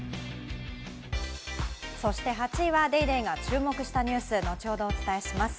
そして８位は『ＤａｙＤａｙ．』が注目したニュース、後ほどお伝えします。